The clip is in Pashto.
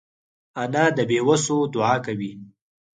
انا د بېوسو دعا کوي